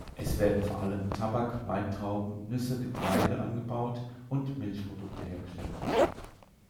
Es werden vor allem Tabak, Weintrauben, Nüsse, Getreide angebaut und Milchprodukte hergestellt.